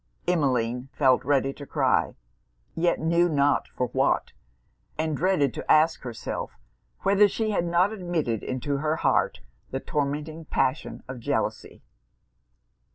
Emmeline felt ready to cry, yet knew not for what, and dreaded to ask herself whether she had not admitted into her heart the tormenting passion of jealousy.